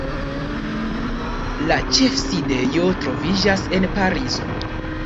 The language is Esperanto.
La ĉefsidejo troviĝas en Parizo.